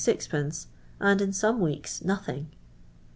and in some weeks nothing.